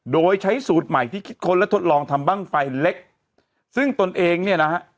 โดยใช้สูตรใหม่ที่คิดค้นและทดลองทำบ้างไฟเล็กซึ่งตนเองเนี่ยนะฮะ